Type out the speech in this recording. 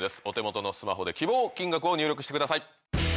お手元のスマホで希望金額を入力してください。